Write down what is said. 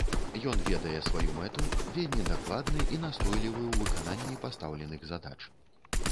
Ён ведае сваю мэту, вельмі дакладны і настойлівы ў выкананні пастаўленых задач.